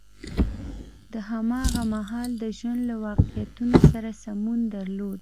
د هماغه مهال د ژوند له واقعیتونو سره سمون درلود.